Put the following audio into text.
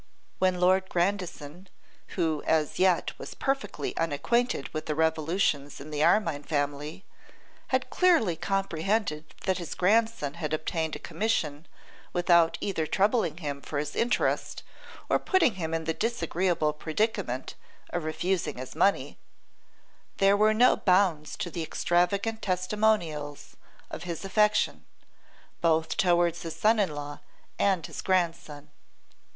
When Lord Grandison, who as yet was perfectly unacquainted with the revolutions in the Armine family, had clearly comprehended that his grandson had obtained a commission without either troubling him for his interest, or putting him in the disagreeable predicament of refusing his money, there were no bounds to the extravagant testimonials of his affection, both towards his son in law and his grandson.